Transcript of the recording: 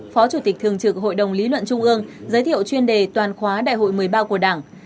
phó chủ tịch thường trực hội đồng lý luận trung ương giới thiệu chuyên đề toàn khóa đại hội một mươi ba của đảng